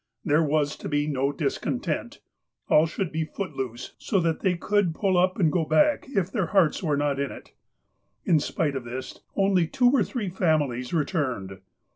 There was to be no discontent. All should be foot loose, so that they could pull up and go back, if their hearts were not in it. In spite of this, only two or three families returned.